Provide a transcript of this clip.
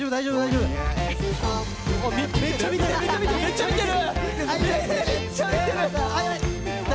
めっちゃ見てる！